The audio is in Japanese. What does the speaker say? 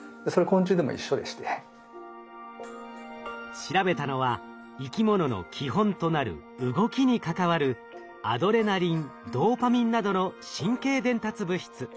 調べたのは生き物の基本となる「動き」に関わるアドレナリンドーパミンなどの神経伝達物質。